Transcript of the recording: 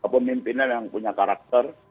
pemimpinan yang punya karakter